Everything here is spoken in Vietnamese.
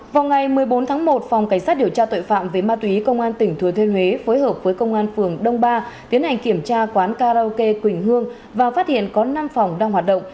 vào ngày một mươi bốn tháng một phòng cảnh sát điều tra tội phạm về ma túy công an tỉnh thừa thiên huế phối hợp với công an phường đông ba tiến hành kiểm tra quán karaoke quỳnh hương và phát hiện có năm phòng đang hoạt động